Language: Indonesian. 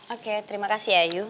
oke terima kasih ayu